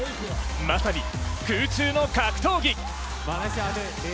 まさに、空中の格闘技。